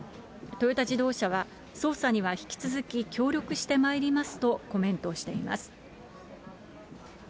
トヨタ自動車は、捜査には引き続き協力してまいりますとコメントしています。